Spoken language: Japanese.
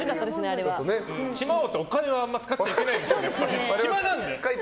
暇王ってあまりお金は使っちゃいけないんですけど。